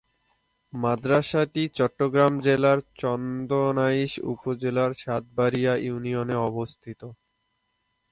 মাদ্রাসাটি চট্টগ্রাম জেলার চন্দনাইশ উপজেলার সাতবাড়িয়া ইউনিয়নে অবস্থিত।